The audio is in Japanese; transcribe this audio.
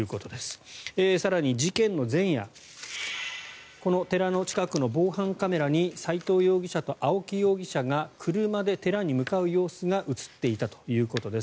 更に事件の前夜この寺の近くの防犯カメラに齋藤容疑者青木容疑者が車で寺に向かう様子が映っていたということです。